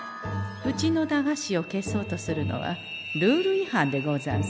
うちの駄菓子を消そうとするのはルール違反でござんす。